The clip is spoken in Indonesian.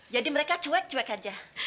jadi mereka cuek cuek aja